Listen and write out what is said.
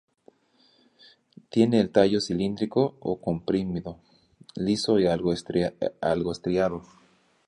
Tiene el tallo cilíndrico o comprimido, liso o algo estriado.